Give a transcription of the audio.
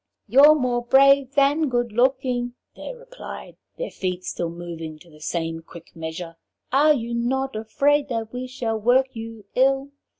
'You're more brave than good looking,' they replied, their feet still moving to the same quick measure. 'Are you not afraid that we shall work you ill?'